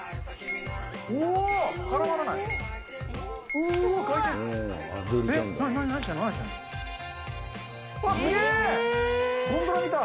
絡まらない。